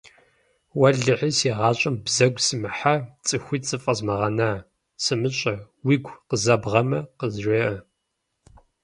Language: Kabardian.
Уэлэхьи, си гъащӏэм бзэгу сымыхьа, цӏыхуитӏ зэфӏэзмыгъэна, сымыщӏэ, уигу къызэбгъэмэ, къызжеӏэ.